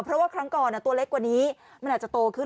เพราะว่าครั้งก่อนตัวเล็กกว่านี้มันอาจจะโตขึ้น